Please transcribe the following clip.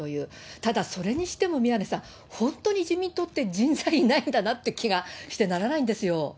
ただ、それにしても、宮根さん、本当に自民党って人材がいないんだなっていう気がしてならないんですよ。